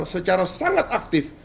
secara sangat aktif